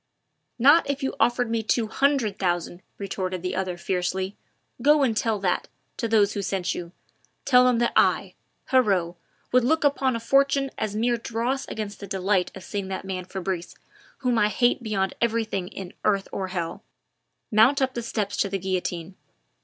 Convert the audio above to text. "Not if you offered me two hundred thousand," retorted the other fiercely. "Go and tell that, to those who sent you. Tell them that I Heriot would look upon a fortune as mere dross against the delight of seeing that man Fabrice, whom I hate beyond everything in earth or hell, mount up the steps to the guillotine.